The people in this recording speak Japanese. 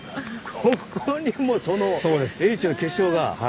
ここにもその英知の結晶が！